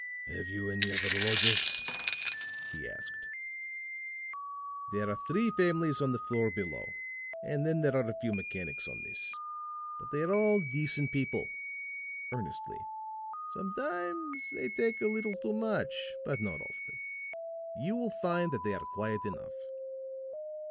"Have you any other lodgers?" he asked. "There are three families on the floor below, and then there are a few mechanics on this. But they are all decent people," earnestly. "Sometimes they take a little too much, but not often. You will find that they are quiet enough."